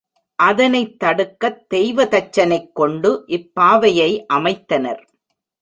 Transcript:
அதனைத் தடுக்கத் தெய்வதச்சனைக் கொண்டு இப்பாவையை அமைத்தனர்.